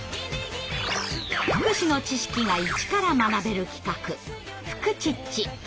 福祉の知識がイチから学べる企画「フクチッチ」。